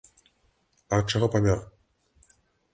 А ад чаго памёр?